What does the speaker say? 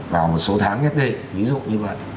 vào một số tháng nhất định ví dụ như vậy